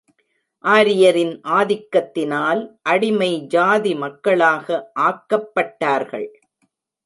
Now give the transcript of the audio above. ஆரியரின் ஆதிக்கத்தினால், அடிமை ஜாதி மக்களாக ஆக்கப்பட்டார்கள்.